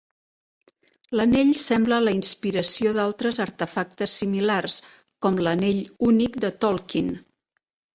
L'anell sembla la inspiració d'altres artefactes similars, com l'Anell Únic de Tolkien.